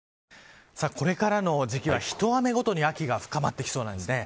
これからの時期はひと雨ごとに秋が深まってきそうです。